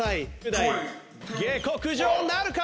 下剋上なるか！？